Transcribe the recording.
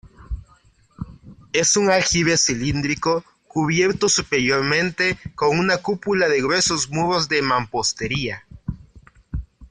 Es un aljibe cilíndrico, cubierto superiormente con una cúpula de gruesos muros de mampostería.